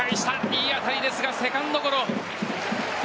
いい当たりですがセカンドゴロ。